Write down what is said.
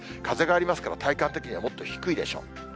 風がありますから、体感的にはもっと低いでしょう。